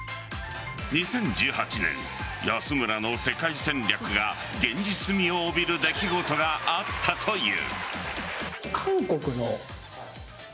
２０１８年、安村の世界戦略が現実味を帯びる出来事があったという。